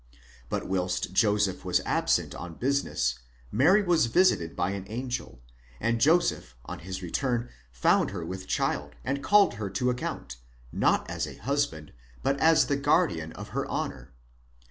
—But whilst Joseph was absent on business Mary was visited by an angel, and Joseph on his return found her with child and called her to account, not as a husband, but as the guardian of her honour.